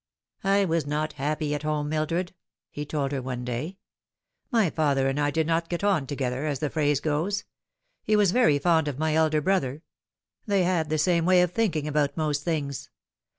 " I was not happy at home, Mildred," he told her one day. " My father and I did not get on together, as the phrase goes. He was very fond of my elder brother. They had the same way of thinking about most things.